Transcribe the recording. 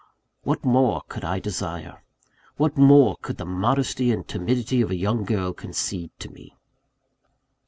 What more could I desire? What more could the modesty and timidity of a young girl concede to me?